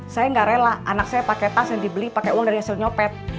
saya nggak rela anak saya pakai tas yang dibeli pakai uang dari hasil nyopet